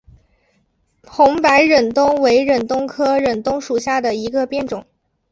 红白忍冬为忍冬科忍冬属下的一个变种。